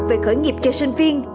về khởi nghiệp cho sinh viên